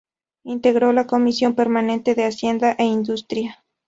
Integró la Comisión Permanente de Hacienda e Industria.